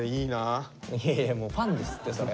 いやいやもうファンですってそれ。